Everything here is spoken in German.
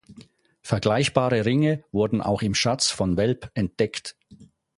Vergleichbare Ringe wurden auch im Schatz von Velp entdeckt.